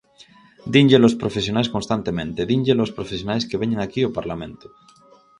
Dínllelo os profesionais constantemente, dínllelo os profesionais que veñen aquí ao Parlamento.